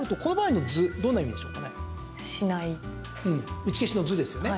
打ち消しの「ず」ですよね。